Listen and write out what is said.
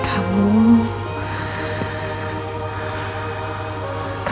kamu akan keluar